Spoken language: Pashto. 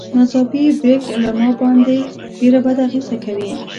ناڅاپي بريک ما باندې ډېره بده اغېزه کوي.